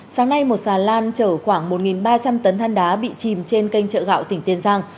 sáng nay một xà lan chở khoảng một ba trăm linh tấn than đá bị chìm trên kênh chợ gạo tỉnh tiền giang